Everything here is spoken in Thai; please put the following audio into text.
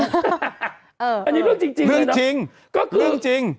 อันนี้เรื่องจริงจริงเรื่องจริงเรื่องจริงก็คือเรื่องจริง